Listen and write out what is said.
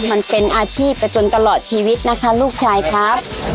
มันเป็นอาชีพไปจนตลอดชีวิตนะคะลูกชายครับ